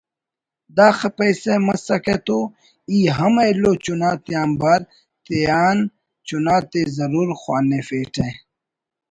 داخہ پیسہ مسکہ تو ای ہم ایلو چنا تیانبار تیان چناتے ضرور خوانفیٹہ